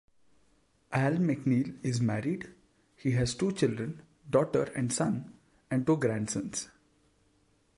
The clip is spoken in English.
Al MacNeil is married, he has two children, daughter and son, and two grandsons.